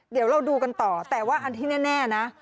เดี๋ยวเราดูกันต่อแต่ว่าอันที่แน่นะ